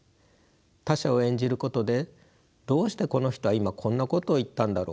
他者を演じることでどうしてこの人は今こんなことを言ったんだろう